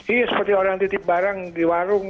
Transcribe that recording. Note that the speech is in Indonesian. iya seperti orang titip barang di warung